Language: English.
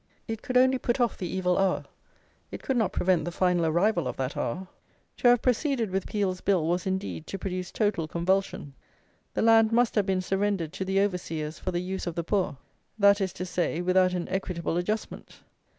It could only put off the evil hour; it could not prevent the final arrival of that hour. To have proceeded with Peel's Bill was, indeed, to produce total convulsion. The land must have been surrendered to the overseers for the use of the poor. That is to say, without an "Equitable Adjustment."